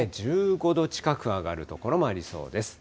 １５度近く上がる所もありそうです。